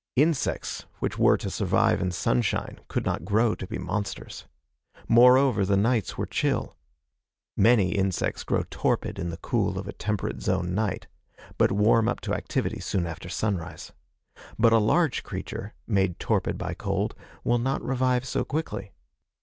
Insects which were to survive in sunshine could not grow to be monsters. Moreover, the nights were chill. Many insects grow torpid in the cool of a temperate zone night, but warm up to activity soon after sunrise. But a large creature, made torpid by cold, will not revive so quickly.